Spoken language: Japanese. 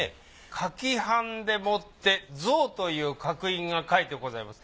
書き判でもって「造」という角印が書いてございます。